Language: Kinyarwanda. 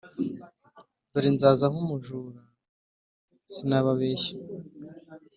Dore nzaza nk’umujura sinababeshya